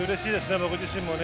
僕自身もね。